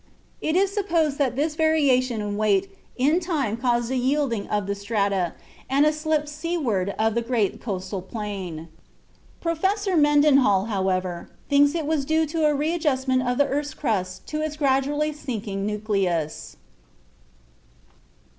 It is supposed that this variation in weight in time caused a yielding of the strata and a slip seaward of the great coastal plain. Professor Mendenhall, however, thinks it was due to a readjustment of the earth's crust to its gradually sinking nucleus.